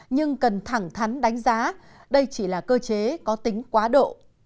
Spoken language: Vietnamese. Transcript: nhưng cần thẳng thắn đánh giá đây chỉ là cơ chế có tính quá độ